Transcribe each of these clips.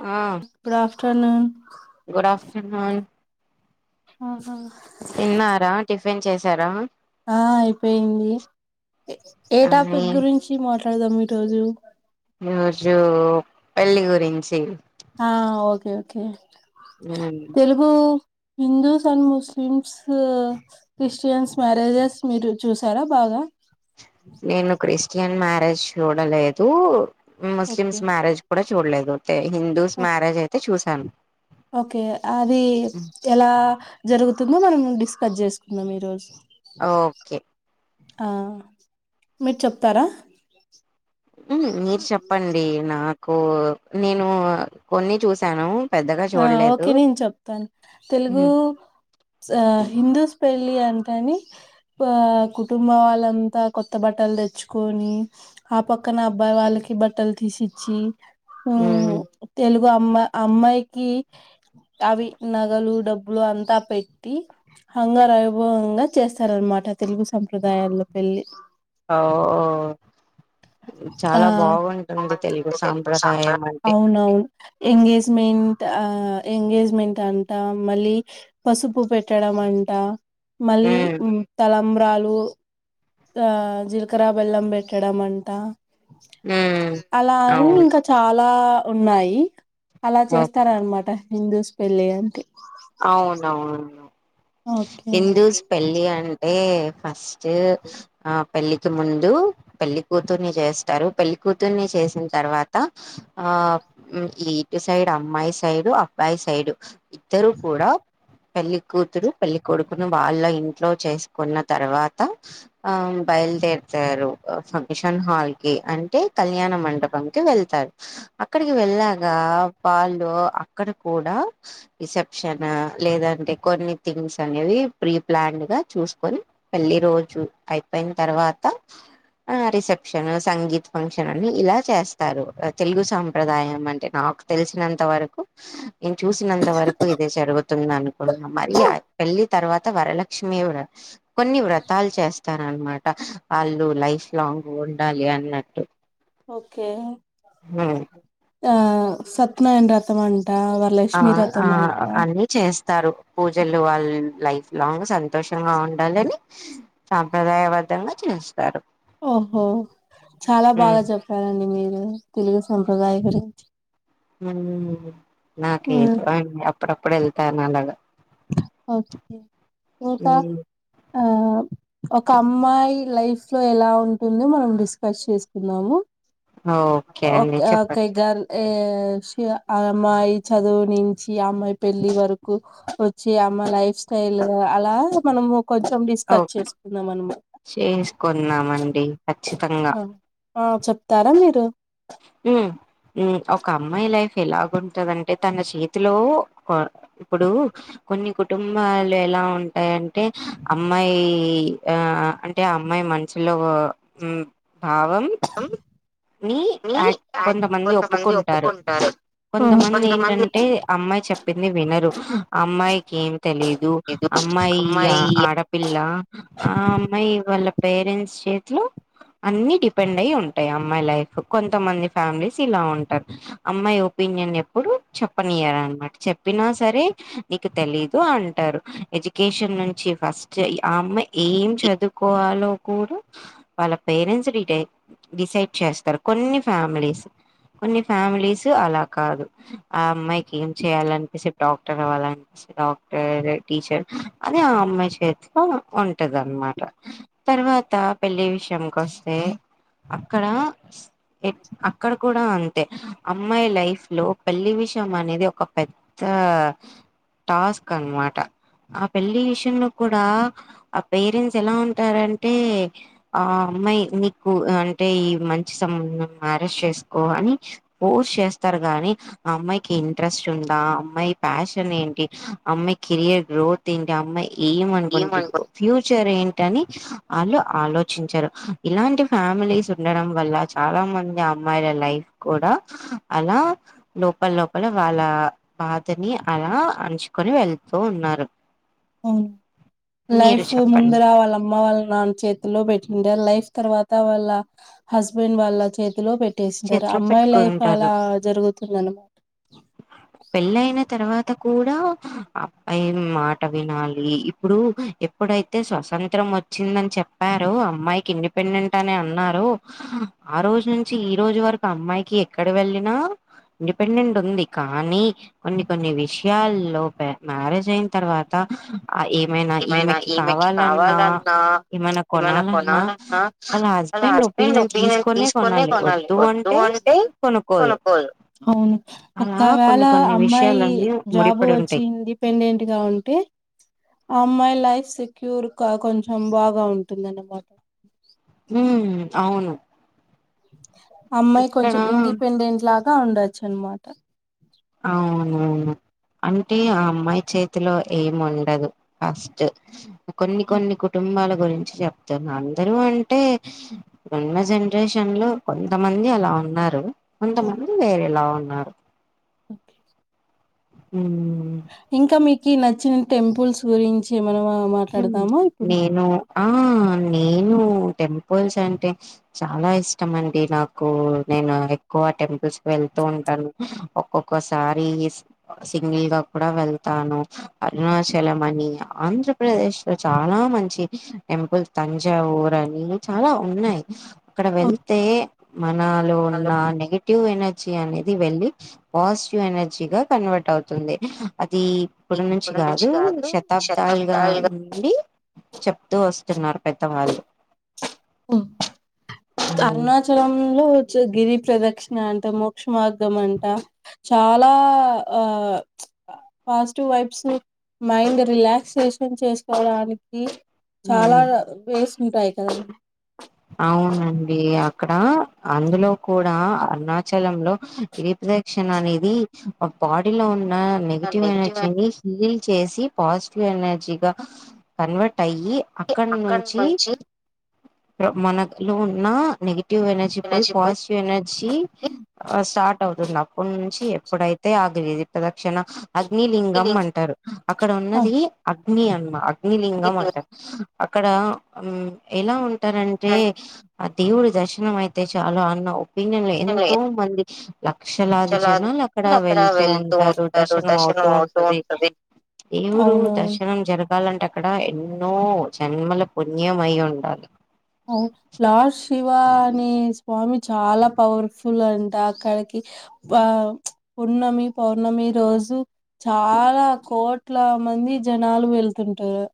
ఆ good afternoon good afternoon hmm హు తిన్నారా టిఫిన్ చేసారా ఆ అయిపోయింది ఏ టాపిక్ గురించి మట్ ఆడదం ఈ రోజు పెళ్ళి గురించి ఆ okay okay Telugu Hindus and Muslims Christians marriages మీరు చూసారా బాగ [inaudible] నేను క్రిస్టియన్ మ్యారేజ్ చూడలేదు ఓకే ముస్లిమ్స్ మ్యారేజ్ కూడా చూడలేదు తే హిందూస్ ఓకే మ్యారేజ్ అయితే చూశాను ఓకే అది ఎలా జరుగు తుందో మనం డిస్కస్ జేసు కుందం ఈ రోజు ఓకే ఆ మీరు చెప్తారా మీరు చెప్పండి నాకు నేను కొన్ని చూసాను పెద్దగా ఆ చూడలేదు ఓకే నేను చెప్తాను తెలుగు ఆ హిందూస్ పెళ్ళి అంటాని పా కుటుంబ వాళ్ళంతా కొత్త బట్టలు తెచ్చుకొని ఆ పక్కన అబ్బాయి వాళ్ళక్ బట్టలు తీసిచ్చి ఉమ్ తెలుగు అమ్మా అమ్మాయికి అవి నగలు డబ్బులు అంతా పెట్టి హంగరైభవంగా చేస్తారు అన్నమాట తెలుగు సంప్రదాయాల్లో పెళ్ళి ఓ.. ఆ చాలా బావుంటుంది తెలుగు బాగుంటుంది సాంప్ర సాంప్రదాయం అంటే అవునవును ఎంగేజ్మెంట్ ఆ ఎంగేజ్మెంట్ అంతా మళ్ళీ పసుపు పెట్ట రమఅంట మళ్ళీ తలంబ్రాలు ఆ జీలకర బెల్లం పెట్టడం అంటా అలా అయి అవును ఇంకా చాలా లా ఉన్నాయి అలా ఓకే చేస్తార అనమాట హిందూస్ పెళ్ళి అంటే అవునవును ఓకే హిందూస్ పెళ్ళి అంటే ఫస్ట్ ఆ పెళ్లికి ముందు పెళ్లి కూతుర్ని జేస్తారు పెళ్లి కూతుర్ని చే చేసిన తర్వాత ఆ ఈ ఇటు సైడు అమ్మాయి సైడు అబ్బాయి సైడు ఇద్దరు కూడా పెళ్లికూతురు పెళ్లికొడుకును వాళ్ళ ఇంట్లో చేసుకున్న తర్వాత ఆ బయలుదేరతారు ఫంక్షన్ హాల్ కి అంటే కళ్యాణ మండపం కి వెళ్తారు అక్కడికి వెళ్ళాగా వాళ్ళు అక్కడ కూడా రిసెప్షన్ లేదంటే కొన్ని థింగ్స్ అనేవి ప్రీ ప్లాన్డ్ గా చూసుకొని పెళ్ళి రోజు అయిపోయిన తర్వాత ఆ రిసెప్షన్ సంగీత్ ఫంక్షన్ అని ఇలా చేస్తారు తెలుగు సాంప్రదాయం అంటే నా నాకు తెలిసినంత వరకు నేను చూసినంత వరకు ఇదే జరుగుతుంది అనుకున్నా మళ్ళీ పెళ్లి తర్వాత వరలక్ష్మి వ్రతం కొన్ని వ్రతాలు చేస్తారనమాట వాళ్ళు లైఫ్ లాంగ్ ఉండాలి అన్నట్టు. ఓకే హ్మ్ ఆ సత్యనారాయణ రతమన్ ఆ ఆ అన్ని చేస్తారు పూజలు వాళ్ లైఫ్ లాంగ్ సంతోషంగా ఉండాలని సాంప్రదాయబద్దంగా చేస్త్ ఓహో చాలా బాగా చెప్పారండి మీర్ ఉ తెలుగు సాంప్రదాయలా గురించి ఉ నాకేటో అండి అప్పుడప్పుడు వెళ్తాను అలాగా. ఓకే ఇంకా హ్మ్ ఆ ఒక అమ్మాయి లైఫ్ లో ఎలా ఉంటుందో మనం డిస్కస్ చేసుకుందాము. ఓకే అండి ఓకే చెప్పండి అకై గారు యే స్ ఇగా అమ్మాయి చదువు నుంచి అమ్మాయి పెళ్లి వరకు వచ్చి అమ్మాయి లైఫ్ స్టైల్ అలా మనము ఒక్ కొంచెం ఓ డిస్కస్ చేసుకుందాం అనమాట చేసుకున్నామండి ఖచ్చితంగా ఆ చెప్తారా మీరు ఉ ఉ ఒక అమ్మాయి లైఫ్ ఎలాగుంటదంటే తన చేతిలో క్వా ఇప్పుడు కొన్ని కుటుంబాలు ఎలా ఉంటాయంటే టే అమ్మాయి ఆ అంటే ఆ అమ్మాయి మంచులో భావం ని యాక్ కొంతమంది ఒప్పుకుంటారు కొంతమంది ఏంటంటే అమ్మాయి చెప్పింది వినరు అమ్మాయ్ ఏమి తెలిదు అమ్మాయి ఆ ఆడపిల్ల ఆ అమ్మాయి వాళ్ళ పేరెంట్స్ చేతిలో అన్ని డిపెండ్ అయి ఉంటాయి అమ్ అమ్మాయి లైఫ్ కొంతమంది ఫ్యామిలీస్ ఇలా ఉంటారు, అమ్మాయి ఒపీనియన్ ఎప్పుడు చెప్పనియర అనమాట చెప్పినా సరే నీకు తెలీదు అంటారు. ఎడ్యుకేషన్ నుంచి ఫస్టు ఆ అమ్మాయి ఏం చదువుకోవాలో కూడా వాళ్ళ పేరెంట్స్ డిటై డిసై చేస్తారు కొన్ని ఫ్యామిలీస్ కొన్ని ఫ్యామిలీస్ అలా కాదు, ఆ అమ్మాయికి ఏం చెయ్యాలనిపిసస్తే డాక్టర్ అవ్వాలనిపిస్త్ డాక్టరో టీచర్ అది ఆ అమ్మాయి చేతిలో ఉంటదనమాట తర్వా తర్వాత పెళ్ళి విషయం కొస్తే అక్కడ అక్కడ కూడా అంతే అమ్మాయి లైఫ్ లో పెళ్లి విషయం అనేది ఒక పెద్ద ఆ టాస్క్ అనమాట ఆ పెళ్ళి విషయంలో కూడా ఆ పేరెంట్స్ ఎలా ఉంటారంటే ఆ అమ్మాయ్ మీకు అన్ టే ఈ మంచి సంబంధం మ్యారేజ్ చేసుకో అని ఫోర్స్ చేస్తారు గాని ఆ అమ్మాయికి ఇంట్రెస్ట్ ఉందా అమ్మాయి ప్యాషన్ ఏంటి అమ్మాయి కెరియర్ గ్రోత్ ఏంటి అమ్మాయ్ ఏమ్ ఏమనుకో అనుకుంటుందో ఫ్యూచర్ ఎన్ టని ఆళ్ళు ఆలోచించరు ఇలాంటి ఫ్యామిలీసు ఉండడం వల్ల చాలా మంది అమ్మాయిల లైఫ్ కూడా అలా లోపల లోపల వాళ్ళ బాధని అలా అణచుకొని వెళ్తూ ఉన్నారు. వును మీరు లైఫ్ చెప్పండి ముందర వాళ్ళ అమ్మ వాళ్ళ నాన్న చేతిలో పెట్టింటరు లైఫ్ తర్వాత వాళ్ళ హస్బెండ్ వాళ్ళ చేతిలో పె ట్టేసింటారు, చేతిలో అమ్మాయి లైఫ్ పెట్టుకుంటారు అలా జరుగుతుంది అనమట పెళ్ళ అయిన తర్వాత కూడా అబ్బాయి మాట వినాలి ఇప్పుడు ఎప్ ఎప్పుడైతే స్వతంత్రం వచ్చిందని చెప్పారో, అమ్మాయికి ఇండిపెండెంట్ అని అన్నారో ఆ రోజు నుంచి ఈ రోజు వరకు అమ్మాయికి ఎక్కడ వెళ్ళినా ఇండిపెండెంట్ ఉంది కానీ కొన్ని కొన్ని విషయాల్లో ప్య మ్యారేజ్ అయిన తర్వాత ఆ ఎమ్ ఏమైనా ఈమెకి కావాలన్నా ఏమైనా కొనాలన్నా వాళ్ళ హస్బెండ్ ఒపీనియన్ తీసుకొనే కొ నాలి వద్దు అంటే కొనుక్కోదు మ్మ్ అలా ఒకవేళ కొన్ని కొన్ని అమ్మాయి విషయాలన్నీ జాబ్ ముడిపడి వచ్చి ఉంటాయి ఇండిపెండెంట్ గా ఉంటే అ మై లైఫ్ సెక్యూర్ కా కొంచెం బాగా ఉంటుంది అన్నమాట హ్మ్ అవును అమ్మాయి ఇక్కడ కొంచెం ఇండిపెండెంట్ లాగా ఉండొచ్చు అనమాట అవునవును అంటే ఆ అమ్మాయి చేతిలో ఏముండదు ఫస్ట్ కొన్ని కొన్ని కుటుంబాలు గురించి చెప్తున్నా అందరూ అంటే ఉన్న జనరేషన్ లో కొంతమంది అలా ఉన్నారు కొంతమంది వేరేలా ఉన్నారు ఓకే మ్మ్ ఇంకా మీకి నచ్చిన టెంపుల్స్ గురించి మనము హ్మ్. మాట్లాడదమా ఇప్పుడు నేను ఆ నేను టెంపుల్స్ అంటే చాలా ఇష్టం అండి నాకు నేను ఎక్కువ టెంపుల్స్ వెళ్తూ ఉంటాను ఒక్కొక్కసారి సింగిల్ గా కూడా వెళ్తాను అరుణాచలమని ఆంధ్ర ఆంధ్రప్రదేశ్ లో చాలా మంచి టెంపుల్ తంజావురని చాలా ఉన్నాయి అక్కడ వెళ్తే మనలో హలో ఉన్న నెగటివ్ ఎనర్ ర్జి అనేది వెళ్ళి పాజిటివ్ ఎనర్జీగా కన్వర్ట్ అవుతుంది ఇది ఇప్పుడు నుంచి కాదు శతాబ్దాలుగా నుండి చెప్తూ వస్తున్నారు పెద్దవాళ్ళు అరుణాచలంలో గిరి ప్రదక్షిణ అంట మోక్ష మార్గం అంట చాలా ఆ పాజిటివ్ వైబ్స్ మైండ్ రిలాక్సేషన్ చేసుకోవడానికి ఉ చాలా వేసి ఉంటాయి కదా అవును వే అక్కడ అందులో కూడా అరుణాచలం లో గిరి ప్రదక్షిణ అనేది ఒక పొడిలో ఉం నెగిటివ్ ఎనర్జీని హీల్ చేసి పాజిటివ్ ఎనర్జీగా కన్వర్ట్ అయి అక్కడ నుంచి మనలో ఉన్న నెగిటి టివ్ ఎనర్జీ పోయి పాజిటివ్ ఎనర్జీ స్టార్ట్ అవుతుంది అప్పడు నుంచి ఎప్పుడైతే ఆ గిరి ప్రదక్షిణ అగ్ని లింగం ఫీలింగ్ అంటారు అక్కడ ఉన్నది అగ్ని అమా అగ్నిలింగం అంటారు అక్కడ ఎలా ఉంటారంటే ఆ దేవుడి దర్శనం అయితే చాలు అన్న ఒపీనియన్ లో లేదు ఎంతో మంది లక్షలాది జనాలు అక్కడ వెళ్తూ ఉంటారు, దర్శనం అవుతూ ఉంటది దేవుడు అవునవును దర్శనం జరగాలంట అక్కడ ఎన్నో జన్మల పుణ్యం అయి ఉండాలి వు లార్డ్ శివ అనే స్వామి చాలా పవర్ఫుల్ అంట అక్కడికి ఆ పున్నమి పౌర్ణమి రోజు చాలా కోట్ల కొంతా మంది జనాలు వెళ్తుంటారు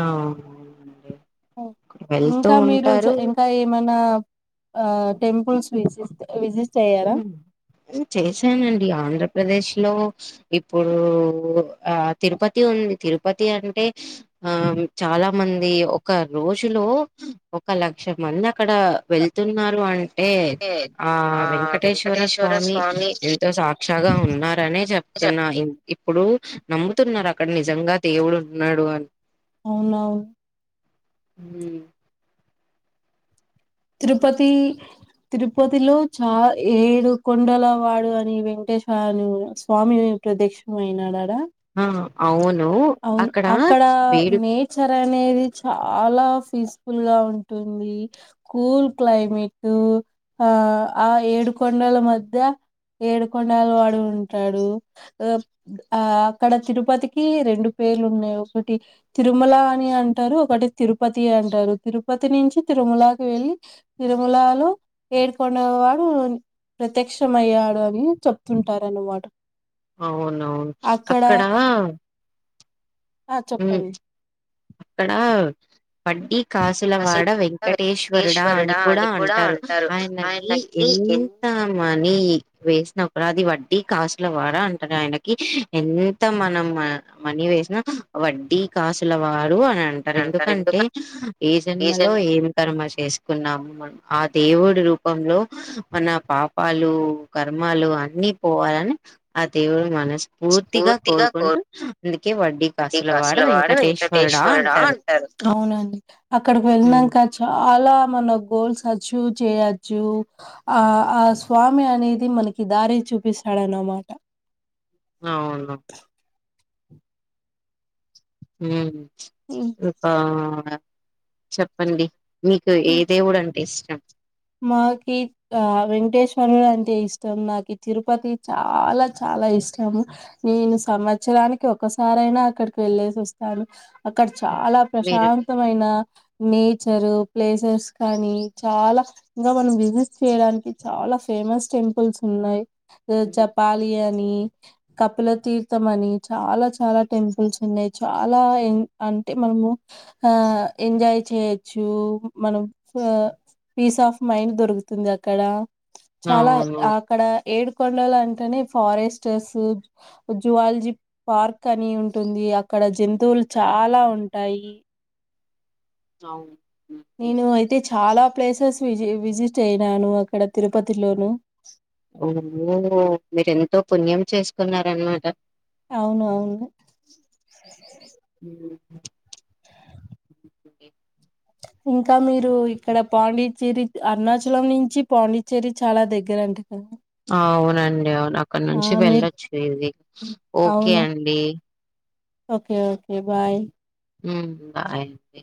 ఆ వెళ్తూ ఇంకా మీరు ఉంటారు ఇంకా ఏమైనా ఆ టెంపుల్స్ విజి విజిస్ చేశానండి ఆంధ్రప్రదేశ్ లో ఇప్పుడు ఆ తిరుపతి ఉంది తిరు ఉపతి అంటే ఆ చాలా మంది ఒక రోజులో ఒక లక్షం మంది అక్కడ వెళ్తున్నారు అంటే ఆ వెం వెంకటేశ్వర స్వామి ఎంతో సాక్షాగా ఉన్నారనే చెప్తున్నా ఇప్పుడు నమ్ముతున్నారు అక్కడ నిజంగా దేవుడు ఉన్నాడు అని అవునావు ఉమ్ తిరుపతి తిరుపతిలో చా ఏడు కొండల వాడు అని వెంకటేశ్వరని స్వామి ప్రద్యక్షం అయినాడడా ఆ అవును అవును అక్కడ వేడు నేచర్ అనేది చాలా ఫీస్ఫుల్ గా ఉంటుంది, కూల్ క్లైమేటు ఆ ఆ ఏడుకొండల మధ్య ఏడుకొండల వాడు ఉంటాడు, ఆ అక్కడ తిరుపతికి రెండు పేర్లున్నాయి ఒకటి తిరుమల అని అంటారు, ఒకటి తిరుపతి అంటారు, తిరుపతి నుంచి తిరుమలాకి వెళ్ళి, తిరుమలలో ఏడుకొండల వాడు ప్రత్యక్షం అయ్యాడు అని చెప్తుంటారన్నమాట. అవునవును అక్కడ ఆ ఉమ్, చెప్పండి. అక్కడ వడ్డీ కాసులవాడ వెంకటేశ్వరుడా అని కూడా అంటారు, ఆయనకి ఎన్ ఎంత మా నీ వేసినప్పుడు అది వడ్డీ కాసుల వాడ అంటారు ఆయనకి ఎంత మనం మనీ వేసిన వడ్డీ కాసుల వాడు అని అంటారు, ఎందుకంటే ఏ జన్మలో రీజన్ ఏం కర్మ చేసుకున్నాము అన్ ఆ దేవుడి రూపంలో మన పాపాలు కర్మలు అన్నీ పోవాలని ఆ దేవుడు మనస్ఫూర్తిగా పూర్తిగా కోరుకుంటూ అందుకే వడ్డీ కాసలవాడ వెంకట వెంటేశ్వరుడ అంటారు ఉమ్ అలా మన గోల్స్ అచీవ్ చేయచ్చు, ఆ ఆ స్వామి అనేది మనకి కి దారిని చూపిస్తాడన్నమాట అవును ఉమ్ ఇపా చెప్పండి మీకు ఉమ్, ఏ దేవుడు అంటే ఇష్టం? మాకి ఆ వెేంకటేశ్వరుడు అంటే ఇష్టం, నాకి తిరుపతి చాలా చా చాలా ఇష్టం, నేను సంవత్సరానికి ఒకసారైనా అక్కడికి వెళ్ళేసి వస్తాను. అక్కడ అవును. చాలా మీరు ప్రశాంతమైన నేచరు ప్లేసెస్ కానీ చాలా ఇంకా మనం విజిట్ చేయడానికి చాలా ఫేమస్ టెంపుల్స్ ఉన్నాయి, హ్మ్. జపాలియన్ నీ కపిల తీర్థం అని, చాలా చాలా టెంపుల్స్ ఉన్నాయి చాలా ఎన్ అంటే మనము ఆ ఎంజాయ్ చేయచ్చు మనం ఆ పీస్ ఆఫ్ మైండ్ దొరుకుతుంది అక్కడ, చాలా అవును. అక్కడ ఏడుకొండలు అంటేనే ఫారెస్టర్స్, జువాలజీ పార్క్ అని ఉంటుంది. ఇగ అక్కడ జంతువులు చాలా ఉంటాయి. ఆవు నేను అయితే చాలా ప్లేసెస్ విజి విజిట్ అయినాను అక్కడ తిరుపతిలోను. ఓ ఓ మీరెంతో పుణ్యం చేసుకున్నారనమాట. అవును అవును హ్మ్. ఇంకా మీరు ఇక్కడ పాండిచ్చేరి, అరుణాచలం నుంచి పాండిచ్చేరి చాలా దగ్గర అండి. అవునండి అవును అక్కడ ఆ నుంచి మీరు వెళ్ళొచ్చు ఈసీ, ఓకే అవునా అండి ఓకే ఓకే బాయ్. మ్ బాయ్ అండి